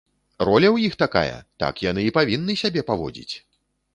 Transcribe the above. Роля ў іх такая, так яны і павінны сябе паводзіць!